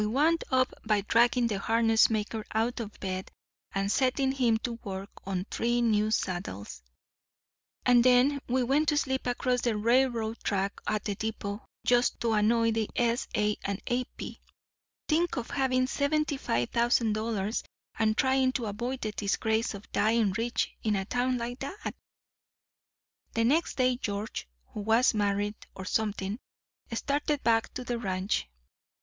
We wound up by dragging the harness maker out of bed and setting him to work on three new saddles; and then we went to sleep across the railroad track at the depot, just to annoy the S.A. & A.P. Think of having seventy five thousand dollars and trying to avoid the disgrace of dying rich in a town like that! "The next day George, who was married or something, started back to the ranch.